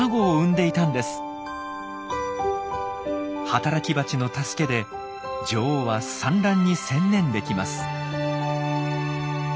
働きバチの助けで女王は産卵に専念できます。